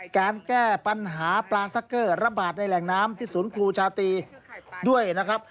แก้ปัญหาปลาซักเกอร์ระบาดในแหล่งน้ำที่ศูนย์ครูชาตรีด้วยนะครับ